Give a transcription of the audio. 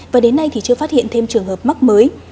và đến nay thì chưa phát hiện thêm trường hợp mắc mới